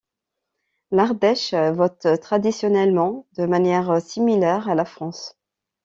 L'Ardèche vote traditionnellement de manière similaire à la France.